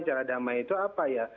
cara damai itu apa ya